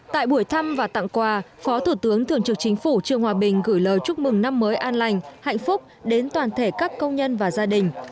tại buổi thăm và tặng quà phó thủ tướng thường trực chính phủ trương hòa bình gửi lời chúc mừng năm mới an lành hạnh phúc đến toàn thể các công nhân và gia đình